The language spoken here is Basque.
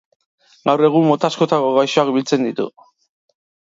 Gaur egun mota askotako gaixoak biltzen ditu.